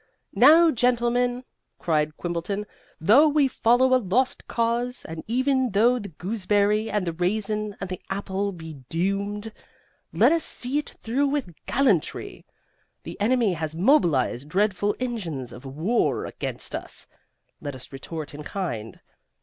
"Now, gentlemen," cried Quimbleton, "though we follow a lost cause, and even though the gooseberry and the raisin and the apple be doomed, let us see it through with gallantry! The enemy has mobilized dreadful engines of war against us. Let us retort in kind.